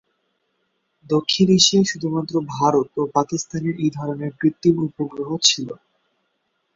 দক্ষিণ এশিয়ায় শুধুমাত্র ভারত ও পাকিস্তানের এই ধরনের কৃত্রিম উপগ্রহ ছিলো।